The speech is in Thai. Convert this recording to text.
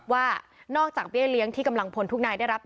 ว่านอกจากเบี้ยเลี้ยงที่กำลังพลทุกนายได้รับ